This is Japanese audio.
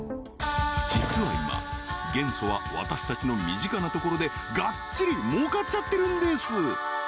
実は今元素は私たちの身近なところでがっちり儲かっちゃってるんです！